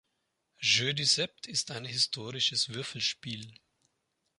Jeu du Sept ist ein historisches Würfelspiel.